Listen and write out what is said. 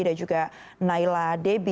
dan juga naila deby